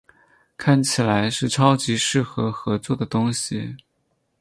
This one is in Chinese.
看起来是超级适合合作的东西